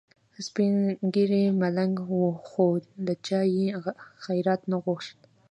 سپین ږیری ملنګ و خو له چا یې خیرات نه غوښت.